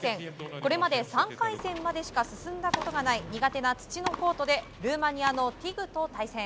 これまで３回戦までしか進んだことがない苦手な土のコートでルーマニアのティグと対戦。